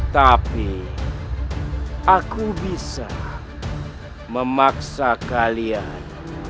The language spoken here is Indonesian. tapi aku bisa memaksa kalian